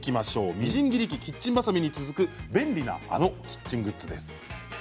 みじん切り器、キッチンバサミに続く便利なあのキッチングッズです。